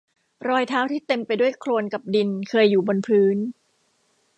รอยเท้าที่เต็มไปด้วยโคลนกับดินเคยอยู่บนพื้น